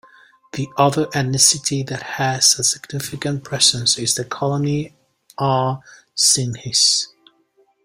The other ethnicity that has a significant presence in the Colony are Sindhis.